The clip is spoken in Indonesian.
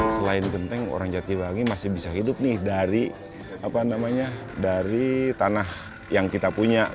selain genteng orang jatiwangi masih bisa hidup nih dari tanah yang kita punya